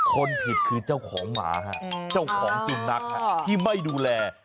คนผิดคือเจ้าของหมาฮะเจ้าของสุนัขที่ไม่ดูแล